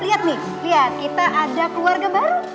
lihat nih lihat kita ada keluarga baru